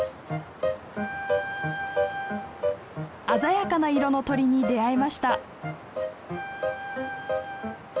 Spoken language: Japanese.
鮮やかな色の鳥に出会えました。